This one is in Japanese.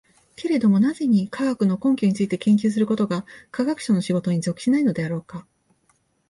けれども何故に、科学の根拠について研究することが科学者の仕事に属しないのであろうか。